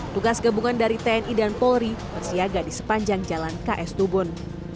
tugas gabungan dari tni dan polri bersiaga di sepanjang jalan ks tubun